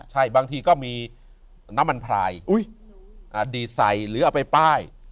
ใช่บางทีก็มีน้ำมันพลายดีดใส่หรือเอาไปป้าย